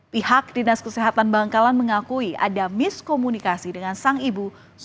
pihak dinas kesehatan bangkalan mengakui ada miskomunikasi dengan sang ibu